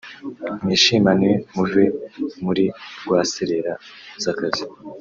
mwishimane muve muri rwaserera z’akazi